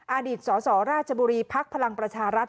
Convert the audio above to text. อดีตสสราชบุรีภักดิ์พลังประชารัฐ